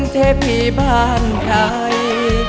เทพีบ้านใคร